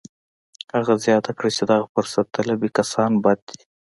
هغه زیاته کړه چې دغه فرصت طلبي کسان بد دي